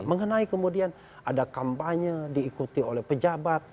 mengenai kemudian ada kampanye diikuti oleh pejabat